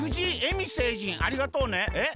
海星人ありがとうね。えっ？